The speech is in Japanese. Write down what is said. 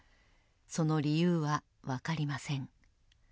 その理由は分かりません。